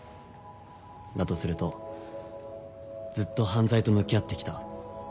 だとするとずっと犯罪と向き合ってきた。